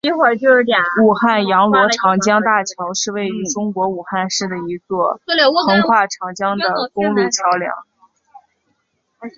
武汉阳逻长江大桥是位于中国武汉市的一座横跨长江的公路桥梁。